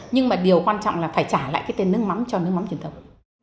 nhưng mà điều quan trọng là phải trả lại cái tên nước mắm cho nước mắm truyền thống